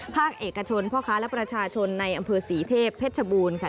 ภาคเอกชนพ่อค้าและประชาชนในอำเภอศรีเทพเพชรชบูรณ์ค่ะ